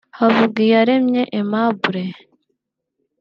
Havugiyaremye Aimable